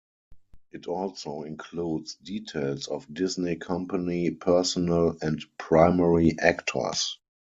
It also includes details of Disney company personnel and primary actors.